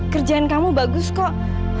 kerjaan kamu bagus kok